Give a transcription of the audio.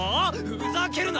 ふざけるな！